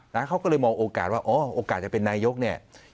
นะเขาก็เลยมองโอกาสว่าอ๋อโอกาสจะเป็นนายกเนี่ย